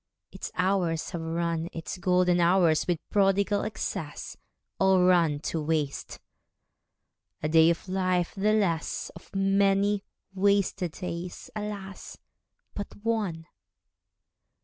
Its hours have run, Its golden hours, with prodigal excess, All run to waste. A day of life the less; Of many wasted days, alas, but one!